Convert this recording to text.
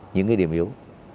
những cái điểm yếu